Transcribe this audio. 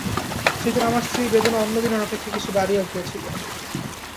সেদিন আমার স্ত্রীর বেদনা অন্য দিনের অপেক্ষা কিছু বাড়িয়া উঠিয়াছিল।